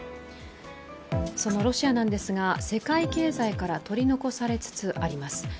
そのロシアなんですが世界経済から取り残されつつあります。